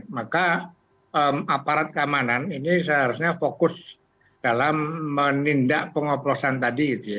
maka aparat keamanan ini seharusnya fokus dalam menindak pengoplosan tadi gitu ya